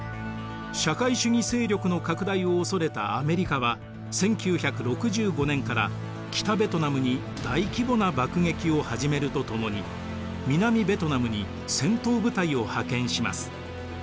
社会主義勢力の拡大を恐れたアメリカは１９６５年から北ベトナムに大規模な爆撃を始めるとともに南ベトナムに戦闘部隊を派遣します。